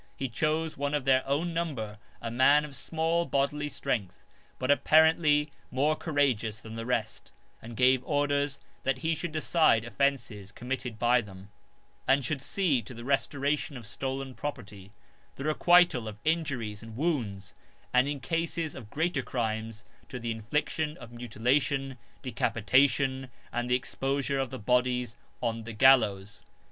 He chose one of their own number, a man of small bodily strength, but apparently more courageous than the rest, and gave orders that he should decide offences committed by them ; and should see to the restoration of stolen property, the requital of injuries and wounds, and in cases of greater crimes to the infliction of mutilation, decapitation, and the exposure of the bodies on the gallows.